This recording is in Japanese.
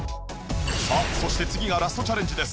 さあそして次がラストチャレンジです